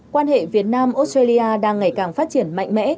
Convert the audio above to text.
quan hệ việt nam australia đang ngày càng phát triển mạnh mẽ